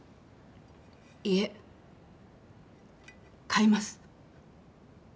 いえ買います。